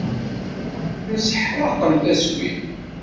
Mseḥṛaqen taswin.